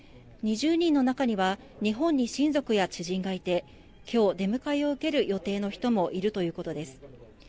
２０人の中には日本に親族や知人がいてきょう出迎えを受ける予定の人もいるということです。